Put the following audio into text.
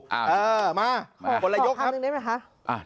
เออมาบรรยยกครับขอบความหนึ่งหนึ่งได้ไหมคะ